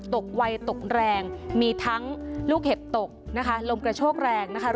ตกวัยตกแรงมีทั้งลูกเห็ดตกลมกระโชกแรง